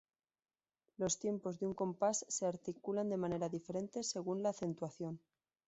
Los tiempos de un compás se articulan de manera diferente según la acentuación.